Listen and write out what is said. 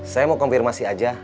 saya mau konfirmasi aja